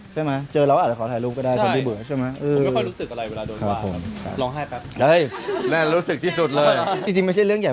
ใช่ไหมเจอเราอาจจะขอถ่ายรูปก็ได้คนที่เบื่อใช่ไหม